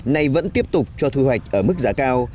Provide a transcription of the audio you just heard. nay vẫn tiếp tục cho thu hoạch ở mức giá cao